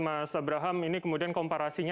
mas abraham ini kemudian komparasinya